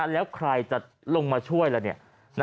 แล้วใครจะลงมาช่วยแล้วเนี่ย